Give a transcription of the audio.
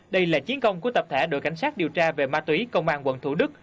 đây là chiến công của tập thể đội cảnh sát điều tra về ma túy công an quận thủ đức